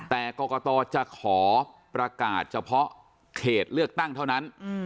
แต่กรกตจะขอประกาศเฉพาะเขตเลือกตั้งเท่านั้น